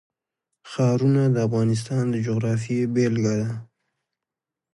ښارونه د افغانستان د جغرافیې بېلګه ده.